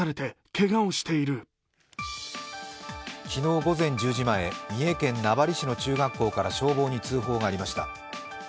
昨日午前１０時前、三重県名張市の中学校から消防に通報がありました。